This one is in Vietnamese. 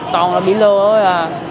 toàn là bị lừa thôi à